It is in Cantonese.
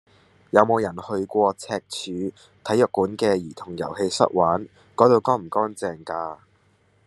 有無人去過赤柱體育館嘅兒童遊戲室玩？嗰度乾唔乾淨㗎？